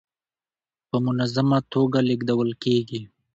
په منظمه ټوګه لېږدول کيږي.